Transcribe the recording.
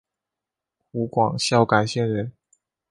湖广孝感县人。